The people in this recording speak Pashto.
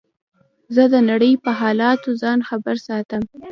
زه د نړۍ په حالاتو ځان خبر ساتم.